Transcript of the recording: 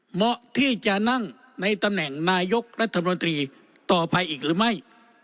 เหมาะที่จะนั่งในตำแหน่งนายกรัฐมนตรีต่อไปอีกหรือไม่